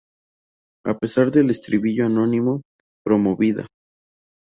A pesar del estribillo anónimo, promovida.